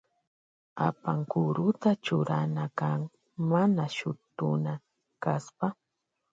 Apankuruta churana kan mana shutuna kashpa.